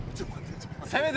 せめて！